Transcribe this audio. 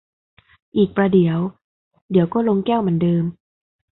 อีกประเดี๋ยว เดี๋ยวก็ลงแก้วเหมือนเดิม